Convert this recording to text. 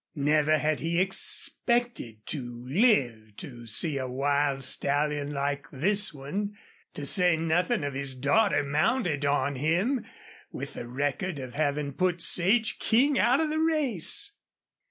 Never had he expected to live to see a wild stallion like this one, to say nothing of his daughter mounted on him, with the record of having put Sage King out of the race!